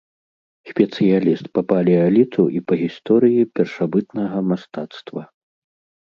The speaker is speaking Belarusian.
Спецыяліст па палеаліту і па гісторыі першабытнага мастацтва.